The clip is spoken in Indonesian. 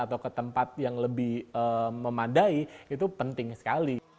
atau ke tempat yang lebih memadai itu penting sekali